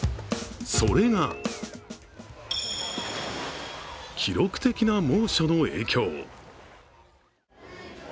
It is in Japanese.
それが記録的な猛暑の影響。